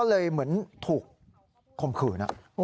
เลยเหมือนถูกค้มคน